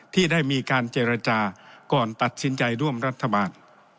ที่ได้มีการเจรจาก่อนตัดสินใจร่วมรัฐบาล